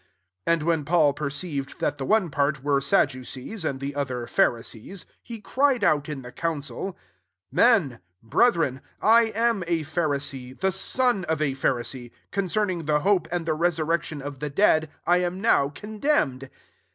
" 6 And when Paul perceived diat the one part were Sadducees, and the other Pharisees, he cried' out in the council, ^ Mob, brethren, I am a Pharisee, tiie son of a Pharisee : concenang' the hope, and the resurrection of the dead I am now condemned."